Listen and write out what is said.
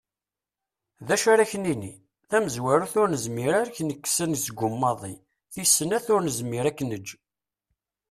D acu ara ak-nini? Tamezwarut, ur nezmir ad ak-nekkes anezgum maḍi, tis snat, ur nezmir ad k-neǧǧ.